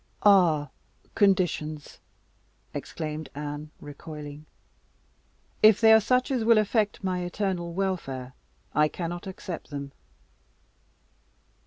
"Ah! conditions!" exclaimed Anne, recoiling; "if they are such as will affect my eternal welfare, I cannot accept them."